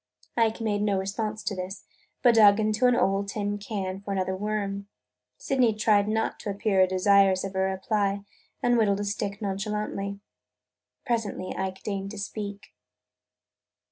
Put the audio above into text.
Ike made no response to this but dug into an old tin can for another worm. Sydney tried not to appear desirous of a reply and whittled a stick nonchalantly. Presently Ike deigned to speak.